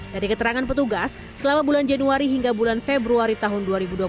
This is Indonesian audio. dari keterangan petugas selama bulan januari hingga bulan februari tahun dua ribu dua puluh satu